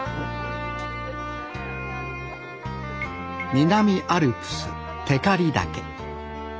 南アルプス光岳。